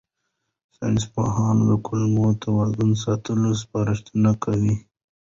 ساینسپوهان د کولمو توازن ساتلو سپارښتنه کوي.